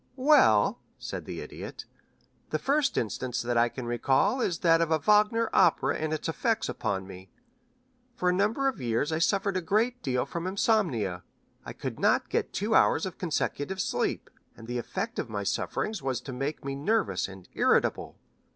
"Well," said the Idiot, "the first instance that I can recall is that of a Wagner opera and its effects upon me. For a number of years I suffered a great deal from insomnia. I could not get two hours of consecutive sleep, and the effect of my sufferings was to make me nervous and irritable.